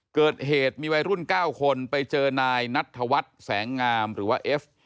เกิดเหตุมีวัยรุ่น๙คนไปเจอนายนัทธวัฒน์แสงงามหรือว่าเอฟ